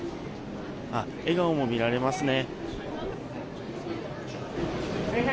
笑顔も見られますね。